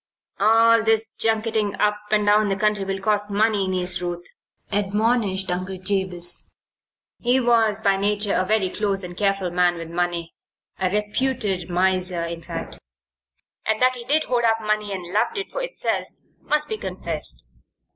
"All this junketing up and down the country will cost money, Niece Ruth," admonished Uncle Jabez. He was, by nature, a very close and careful man with money a reputed miser, in fact. And that he did hoard up money, and loved it for itself, must be confessed.